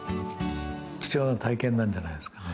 貴重な体験なんじゃないですかね。